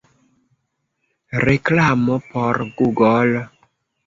Reklamo por Google.